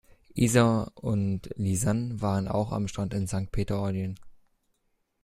Isa und Lisann waren auch am Strand in Sankt Peter-Ording.